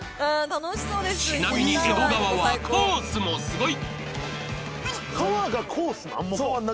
ちなみに江戸川はコースもすごい。